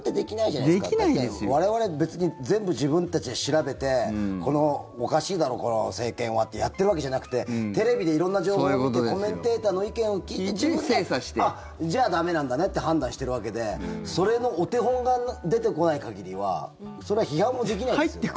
だって、我々、別に全部自分たちで調べておかしいだろ、この政権はってやってるわけじゃなくてテレビで色んな情報を見てコメンテーターの意見を聞いて自分で、じゃあ駄目なんだねって判断しているわけでそれのお手本が出てこない限りはそれは批判もできないですよね。